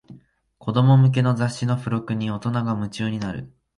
子供向けの雑誌の付録に大人が夢中になる